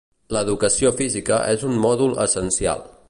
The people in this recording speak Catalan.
L'educació física és un mòdul essencial.